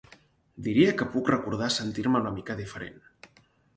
Diria que puc recordar sentir-me una mica diferent.